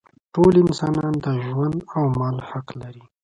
ټول انسانان د ژوند او مال حق لري.